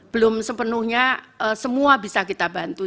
belum sepenuhnya semua bisa kita bantu